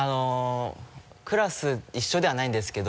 クラス一緒ではないんですけど